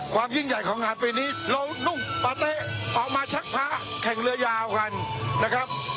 ความยิ่งใหญ่ของงานปีนี้เรานุ่งปะเต๊ะออกมาชักพระแข่งเรือยาวกันนะครับ